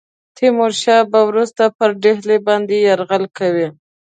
تیمور شاه به وروسته پر ډهلي باندي یرغل کوي.